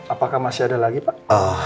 apakah masih ada lagi pak